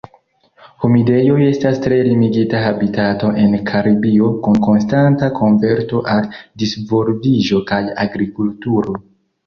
Humidejoj estas tre limigita habitato en Karibio, kun konstanta konverto al disvolviĝo kaj agrikulturo.